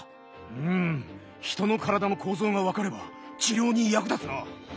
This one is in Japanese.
ん人の体の構造が分かれば治療に役立つな。